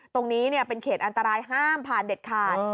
ตรงนี้เป็นเขตอันตรายห้ามผ่านเด็ดขาด